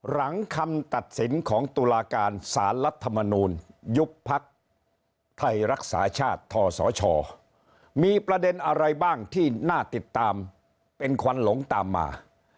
หลังคำตัดสินของตุลาการสารรัฐมนูลยุบพักไทยรักษาชาติทศชมีประเด็นอะไรบ้างที่น่าติดตามเป็นควันหลงตามมา